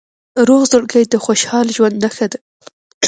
روغ زړګی د خوشحال ژوند نښه ده.